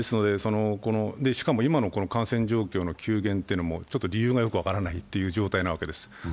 しかも今の感染状況の急減というのもちょっと理由がよく分からないという状態なわけです。